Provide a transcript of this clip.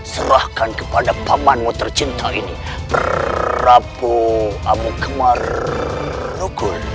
serahkan kepada pamanmu tercinta ini prabu amukmarukul